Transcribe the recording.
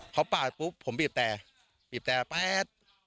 เขาปาดปุ๊บผมบีบแต่บีบแต่แป๊ด